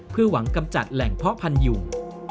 เพื่อหวังกำจัดแหล่งเพาะพันยุง